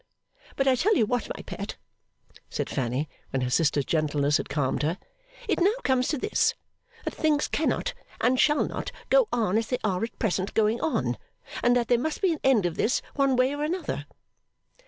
'But, I tell you what, my Pet,' said Fanny, when her sister's gentleness had calmed her, 'it now comes to this; that things cannot and shall not go on as they are at present going on, and that there must be an end of this, one way or another.